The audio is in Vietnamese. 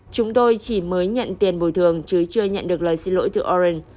châu đăng khoa nói